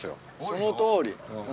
そのとおりうん。